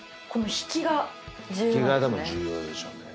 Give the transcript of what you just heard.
引きがでも重要でしょうね。